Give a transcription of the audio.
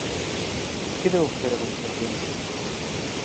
Que debo facer a continuación?